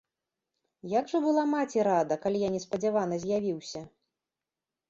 Як жа ж была маці рада, калі я неспадзявана з'явіўся!